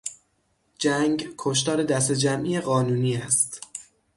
جنگ کشتار دسته جمعی قانونی است.